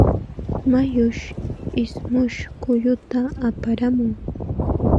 Mayush ismush kulluta aparamun.